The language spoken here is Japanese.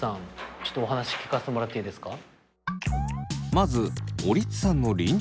ちょっとお話聞かせてもらっていいですか？